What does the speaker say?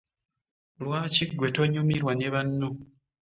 Lwaki gwe tonyumirwa ne banno?